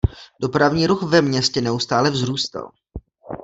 Dopravní ruch ve městě neustále vzrůstal.